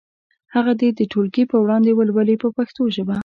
هغه دې د ټولګي په وړاندې ولولي په پښتو ژبه.